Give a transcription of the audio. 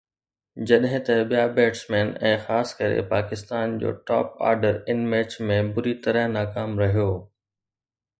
جڏهن ته ٻيا بيٽسمين ۽ خاص ڪري پاڪستان جو ٽاپ آرڊر ان ميچ ۾ بُري طرح ناڪام رهيو.